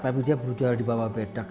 tapi dia berjual di bawah bedak